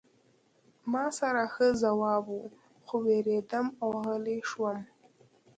ما سره ښه ځواب و خو ووېرېدم او غلی شوم